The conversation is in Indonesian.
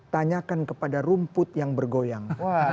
tanyakan kepada rumput yang bergoyang